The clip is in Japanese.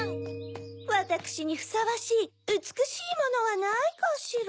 わたくしにふさわしいうつくしいものはないかしら？